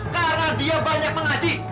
karena dia banyak mengaji